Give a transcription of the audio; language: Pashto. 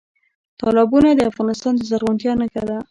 تالابونه د افغانستان د زرغونتیا نښه ده.